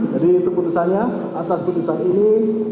jadi itu putusannya atas putusan ini